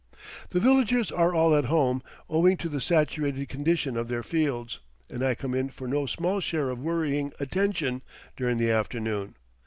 The villagers are all at home, owing to the saturated condition of their fields, and I come in for no small share of worrying attention during the afternoon.